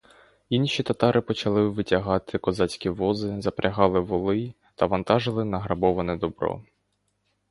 Інші татари почали витягати козацькі вози, запрягали воли та вантажили награбоване добро.